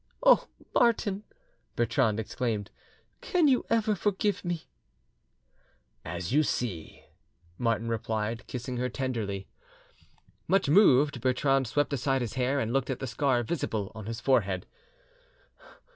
"Oh, Martin!" Bertrande exclaimed, "can you ever forgive me?" "As you see," Martin replied, kissing her tenderly. Much moved, Bertrande swept aside his hair, and looked at the scar visible on his forehead.